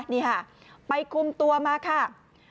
นี่ค่ะไปคุมตัวมาค่ะ